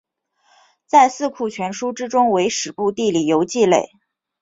在四库全书之中为史部地理游记类。